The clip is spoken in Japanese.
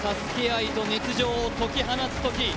愛と熱情を解き放つとき。